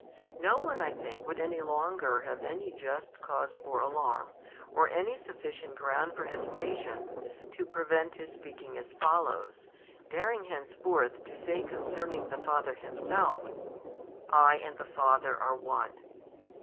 No one, I think, would any longer have any just cause for alarm, or any sufficient ground for hesitation, to prevent his speaking as follows, daring henceforth to say concerning the Father Himself: "I and the Father are one."